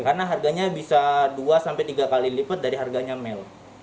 karena harganya bisa dua sampai tiga kali lipat dari harganya male